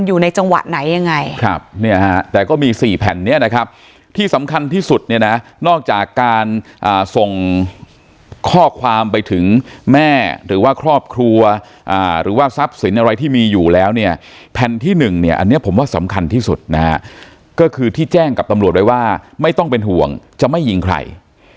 อยู่ในจังหวะไหนยังไงครับเนี่ยฮะแต่ก็มีสี่แผ่นเนี้ยนะครับที่สำคัญที่สุดเนี่ยนะนอกจากการส่งข้อความไปถึงแม่หรือว่าครอบครัวหรือว่าทรัพย์สินอะไรที่มีอยู่แล้วเนี่ยแผ่นที่หนึ่งเนี่ยอันนี้ผมว่าสำคัญที่สุดนะฮะก็คือที่แจ้งกับตำรวจไว้ว่าไม่ต้องเป็นห่วงจะไม่ยิงใคร